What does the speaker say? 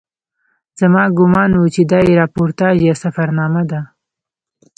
زما ګومان و چې دا یې راپورتاژ یا سفرنامه ده.